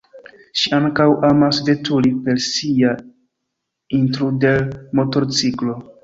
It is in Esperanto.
Ŝi ankaŭ amas veturi per sia Intruder-motorciklo.